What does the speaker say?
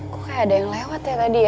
kok kayak ada yang lewat ya tadi ya